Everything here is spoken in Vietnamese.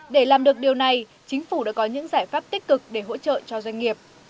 để làm được điều này chính phủ đã có những giải pháp tích cực để hỗ trợ cho doanh nghiệp